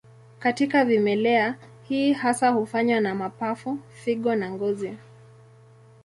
Katika vimelea, hii hasa hufanywa na mapafu, figo na ngozi.